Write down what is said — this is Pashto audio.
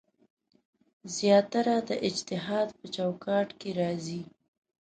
زیاتره د اجتهاد په چوکاټ کې راځي.